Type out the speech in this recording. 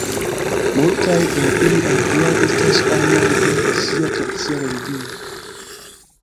Multaj el ili ankoraŭ estas anoj de sia tradicia religio.